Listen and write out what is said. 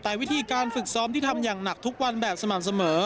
แต่วิธีการฝึกซ้อมที่ทำอย่างหนักทุกวันแบบสม่ำเสมอ